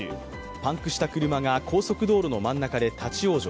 パンクした車が高速道路の真ん中で立往生。